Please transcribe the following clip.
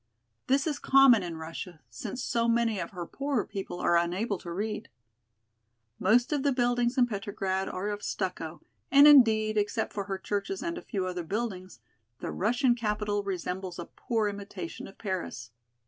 This is common in Russia, since so many of her poorer people are unable to read. Most of the buildings in Petrograd are of stucco, and indeed, except for her churches and a few other buildings, the Russian capital resembles a poor imitation of Paris.